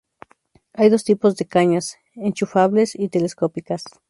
Hay dos tipos de cañas "Enchufables" y "Telescópicas".